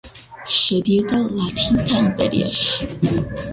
შედიოდა ლათინთა იმპერიაში.